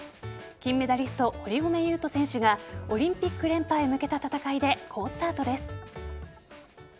金メダリスト・堀米雄斗選手がオリンピック連覇へ向けた戦いで好スタートです。